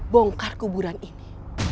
bongkar kuburan ini